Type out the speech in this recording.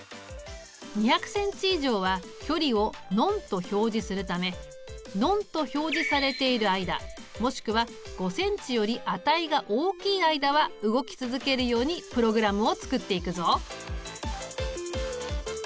２００ｃｍ以上は距離をＮｏｎｅと表示するため「Ｎｏｎｅと表示されている間」もしくは「５ｃｍより値が大きい間」は動き続けるようにプログラムを作っていくぞ。